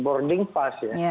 boarding pass ya